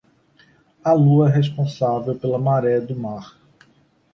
A lua é responsável pela maré do mar.